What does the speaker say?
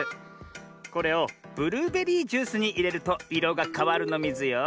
これをブルーベリージュースにいれるといろがかわるのミズよ。